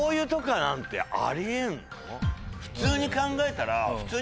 普通に考えたら。